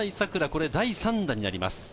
これが第３打になります。